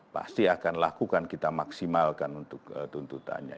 pasti akan lakukan kita maksimalkan untuk tuntutannya